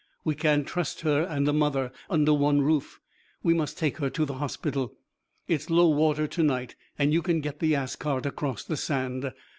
'We can't trust her and the mother under one roof. We must take her to the hospital. It's low water to night, and you can get the ass cart across the sand.